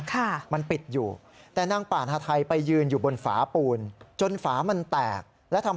กวาดขยะเล่นกันอยู่แถวนี้เพราะว่าร้านก็ต้องกวาดอะไรแบบนี้